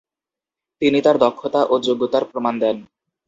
তিনি তার দক্ষতা ও যোগ্যতার প্রমাণ দেন।